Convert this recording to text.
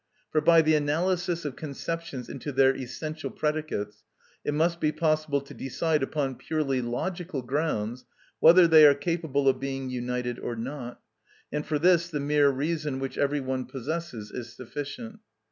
For by the analysis of conceptions into their essential predicates it must be possible to decide upon purely logical grounds whether they are capable of being united or not, and for this the mere reason which every one possesses is sufficient.